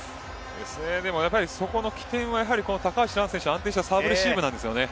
そこの起点は高橋藍の安定したサーブレシーブですね。